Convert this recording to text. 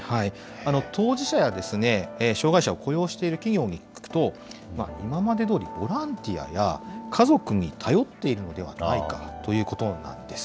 当事者や障害者を雇用している企業に聞くと、今までどおり、ボランティアや家族に頼っているのではないかということなんです。